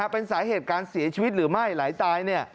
เป็นสาเหตุการเสียชีวิตหรือไม่ไหลตาย